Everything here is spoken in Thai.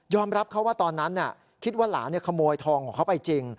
รับเขาว่าตอนนั้นคิดว่าหลานขโมยทองของเขาไปจริง